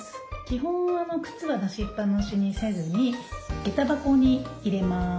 基本は靴は出しっぱなしにせずにげた箱に入れます。